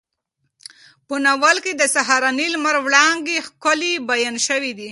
په ناول کې د سهارني لمر وړانګې ښکلې بیان شوې دي.